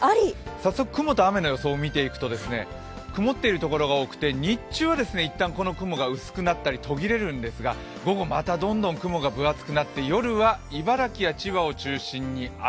早速、雲と雨の予想を見ていくと曇っているところが多くて日中は、いったんこの雲が薄くなったり途切れるんですが、午後またどんどん雲が分厚くなって夜は茨城や千葉を中心に雨。